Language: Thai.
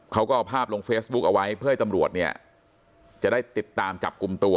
เขาก็เอาภาพลงเฟซบุ๊คเอาไว้เพื่อให้ตำรวจเนี่ยจะได้ติดตามจับกลุ่มตัว